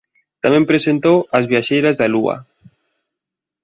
Tamén presentou "As viaxeiras da Lúa".